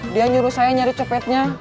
dia nyuruh saya nyari copetnya